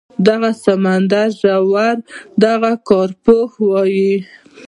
د سمندري ژویو دغه کارپوهه وايي